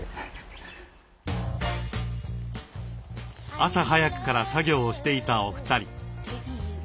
朝早くから作業をしていたお二人。